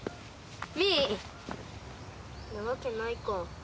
ミィ？なわけないか。